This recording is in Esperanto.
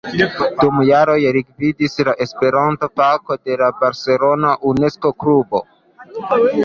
Dum jaroj li gvidis la Esperanto-fakon de la barcelona Unesko-klubo.